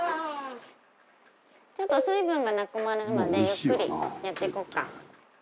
ちょっと水分がなくなるまでゆっくりやっていこうか。